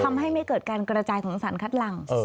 ทำให้ไม่เกิดการกระจายของสารคัดหลัง